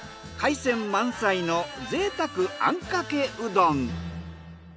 海鮮満載のぜいたくあんかけうどん。